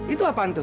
itu apaan tuh